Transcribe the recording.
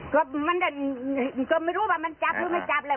ก็มันก็ไม่รู้ว่ามันจับหรือไม่จับแหละ